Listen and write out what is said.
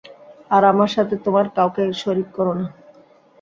আর আমার সাথে তোমরা কাউকে শরীক করো না।